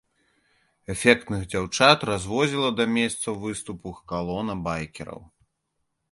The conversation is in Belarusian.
Эфектных дзяўчат развозіла да месцаў выступу калона байкераў.